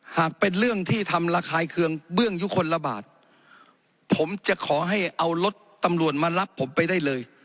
หากเป็นเรื่องที่ทำระคายเคืองเบื้องยุคลบาทผมจะขอให้เอารถตำรวจมารับผมไปได้เลย